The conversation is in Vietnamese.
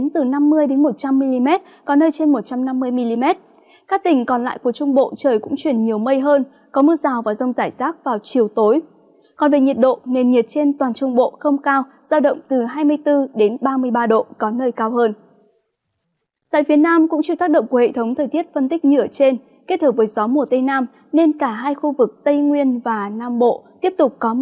trong hà nội nhiều mây có mưa vừa mưa to đến rất to